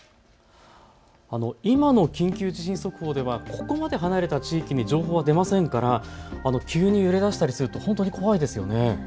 今の緊急地震速報ではここまで離れた地域に情報は出ませんから急に揺れだしたりすると本当に怖いですよね。